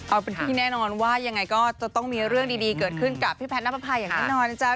เอาเป็นที่แน่นอนว่ายังไงก็ต้องมีเรื่องดีเกิดขึ้นกับพี่แพทย์นักภัยอย่างนั้น